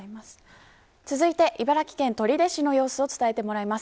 続いて、茨城県取手市の様子を伝えてもらいます。